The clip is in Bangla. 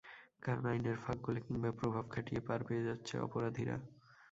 কারণ আইনের ফাঁক গলে কিংবা প্রভাব খাটিয়ে পার পেয়ে যাচ্ছে অপরাধীরা।